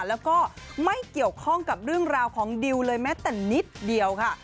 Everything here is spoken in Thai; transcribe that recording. แล้วก็ไม่เกี่ยวข้องกับเรื่องราวของดิวเลยแม้แต่นิดเดียวค่ะ